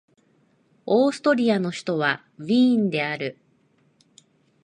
オーストリアの首都はウィーンである